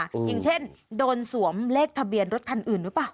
อย่างเช่นโดนสวมเลขทะเบียนรถคันอื่นหรือเปล่า